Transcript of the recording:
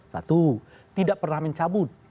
satu tidak pernah mencabut